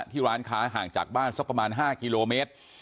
ร้านค้าห่างจากบ้านสักประมาณ๕กิโลเมตร